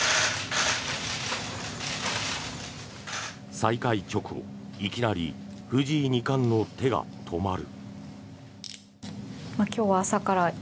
再開直後いきなり藤井二冠の手が止まる。